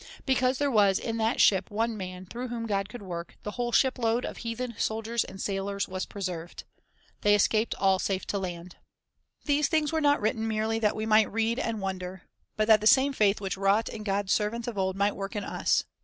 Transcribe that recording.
Because there was in that ship one man through whom God could work, the whole ship load of heathen sol diers and sailors was preserved. "They escaped all safe ' to land." l These things were not written merely that we might read and wonder, but that the same faith which wrought in God's servants of old might work in us.